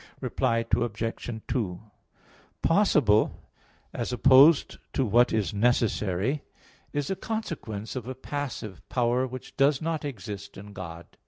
Reply Obj. 2: Possible, as opposed to what is necessary, is a consequence of a passive power, which does not exist in God.